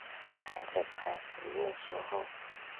孩子开始念书后